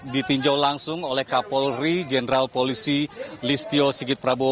ditinjau langsung oleh kapolri jenderal polisi listio sigit prabowo